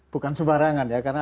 bukan sebarangan ya karena